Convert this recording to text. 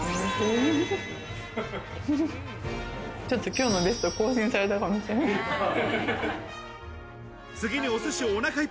今日のベスト、更新されたかもしれない。